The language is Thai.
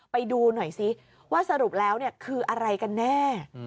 ไปดูหน่อยซิว่าสรุปแล้วคืออะไรกันแน่